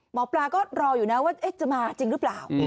หมอปลาก็รออยู่นะว่าจะมาจริงหรือเปล่า